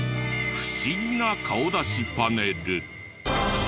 不思議な顔出しパネル。